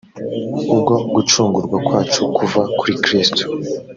ubwo gucungurwa kwacu kuva kuri kirisito